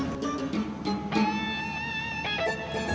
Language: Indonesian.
masya allah kang